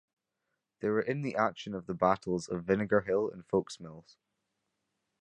They were in the action of the battles of Vinegar Hill and Foulksmills.